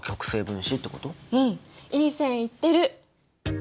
うんいい線いってる！